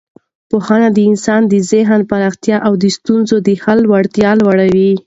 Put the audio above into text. پوهنه د انسان د ذهن پراختیا او د ستونزو د حل وړتیا لوړوي.